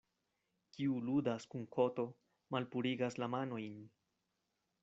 Kiu ludas kun koto, malpurigas la manojn.